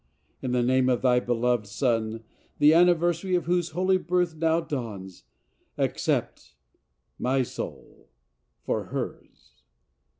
In the name of thy beloved Son, the anniversary of whose holy birth now dawns, accept my soul for hers